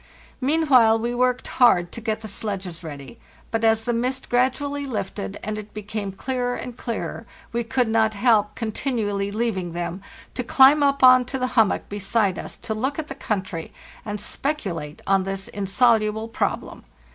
Meanwhile we worked hard to get the sledges ready; but as the mist gradually lifted and it became clearer and clearer, we could not help continu ally leaving them, to climb up on to the hummock be side us to look at the country, and speculate on_ this insoluble problem.